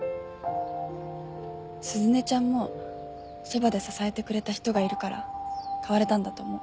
鈴音ちゃんもそばで支えてくれた人がいるから変われたんだと思う。